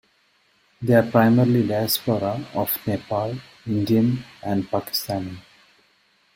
They are primarily disapora of Nepal, Indian and Pakistani.